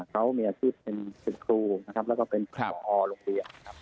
เขามีอาชีพเป็นศิษย์ครูนะครับแล้วก็เป็นปอโรงเรียน